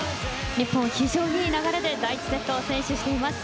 日本、非常にいい流れで第１セットを先取しています。